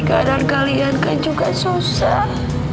anda kalian tuh juga susah